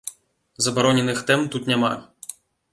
Забароненых тэм тут няма.